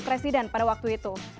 presiden pada waktu itu